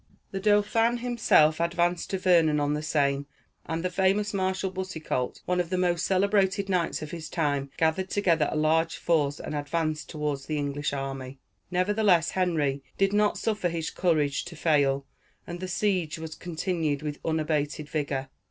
The Dauphin himself advanced to Vernon on the Seine, and the famous Marshal Boucicault, one of the most celebrated knights of his time, gathered together a large force, and advanced toward the English army. Nevertheless Henry did not suffer his courage to fail, and the siege was continued with unabated vigor.